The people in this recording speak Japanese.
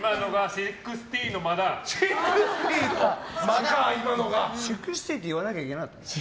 ６０って言わなきゃいけなかった？